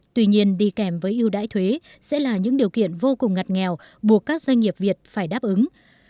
tuy nhiên đi kèm với ưu đãi thuế sẽ là những điều kiện vô cùng ngặt nghèo buộc các doanh nghiệp việt phải đáp ứng